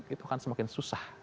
itu akan semakin susah